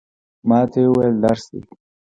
ما ته یې وویل، درس دی.